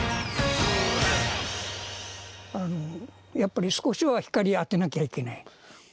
あのやっぱり少しは光当てなきゃいけない。